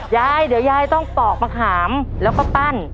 ยายเดี๋ยวยายต้องปอกมะขามแล้วก็ปั้น